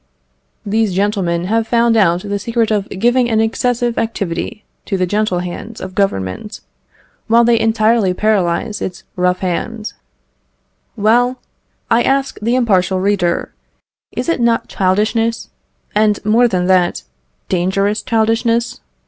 These gentlemen have found out the secret of giving an excessive activity to the gentle hand of Government, while they entirely paralyse its rough hand. Well, I ask the impartial reader, is it not childishness, and more than that, dangerous childishness?